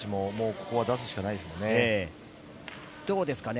ここ出すしかないですよね。